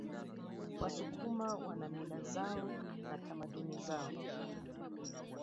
wasukuma wana mila zao na tamaduni zao